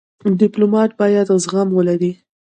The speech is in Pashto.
ډيپلومات باید زغم ولري.